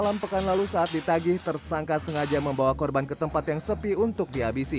malam pekan lalu saat ditagih tersangka sengaja membawa korban ke tempat yang sepi untuk dihabisi